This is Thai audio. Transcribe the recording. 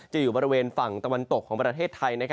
อยู่บริเวณฝั่งตะวันตกของประเทศไทย